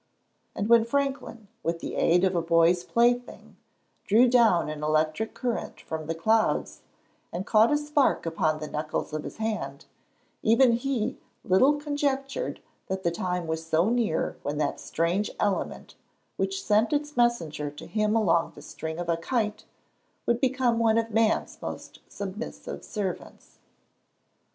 And when Franklin, with the aid of a boy's plaything, drew down an electric current from the clouds, and caught a spark upon the knuckles of his hand, even he little conjectured that the time was so near when that strange element, which sent its messenger to him along the string of a kite, would become one of man's most submissive servants.